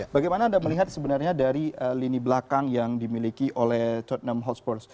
bagaimana anda melihat sebenarnya dari lini belakang yang dimiliki oleh tottenham hotspur